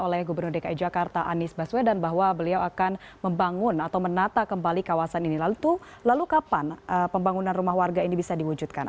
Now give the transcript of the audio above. oleh gubernur dki jakarta anies baswedan bahwa beliau akan membangun atau menata kembali kawasan ini lalu kapan pembangunan rumah warga ini bisa diwujudkan